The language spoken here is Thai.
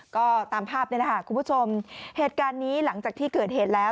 ก็ตามภาพนี่แหละค่ะคุณผู้ชมเหตุการณ์นี้หลังจากที่เกิดเหตุแล้ว